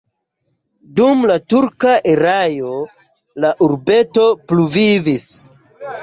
Dum la turka erao la urbeto pluvivis.